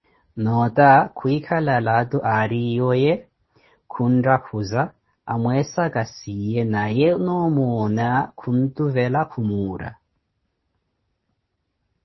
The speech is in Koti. Noo ota kwikala laato ariwo ye, kunthakhuza amwessaka siye naye noo'omona khuntuvela khumuura